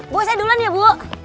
bu saya duluan ya bu